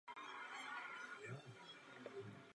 Měla dlouhé blond vlasy a hnědé oči.